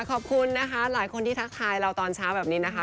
ขอบคุณนะคะหลายคนที่ทักทายเราตอนเช้าแบบนี้นะคะ